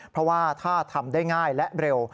เพราะว่าถ้าทำได้ง่ายและเร็ว